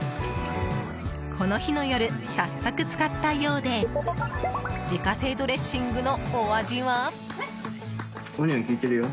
この日の夜、早速使ったようで自家製ドレッシングのお味は。